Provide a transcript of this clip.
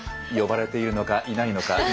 呼ばれているのかいないのか。